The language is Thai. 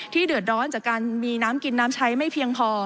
เดือดร้อนจากการมีน้ำกินน้ำใช้ไม่เพียงพอ